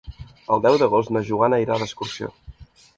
El deu d'agost na Joana irà d'excursió.